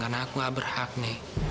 karena aku gak berhak nih